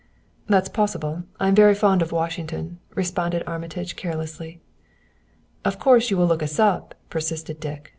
"That is possible; I am very fond of Washington," responded Armitage carelessly. "Of course you will look us up," persisted Dick.